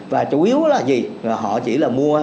và chủ yếu là gì họ chỉ là mua